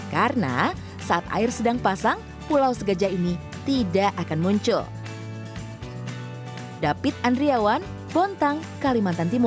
karena saat air sedang pasang pulau segajah ini tidak akan muncul